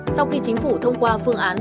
sau khi chính phủ thông qua phương án